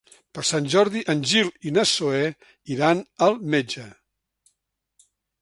Per Sant Jordi en Gil i na Zoè iran al metge.